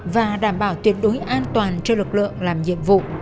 và đảm bảo tuyệt đối an toàn cho lực lượng làm nhiệm vụ